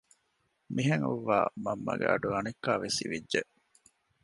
މިހެން އޮއްވާ މަންމަގެ އަޑު އަނެއްކާވެސް އިވިއްޖެ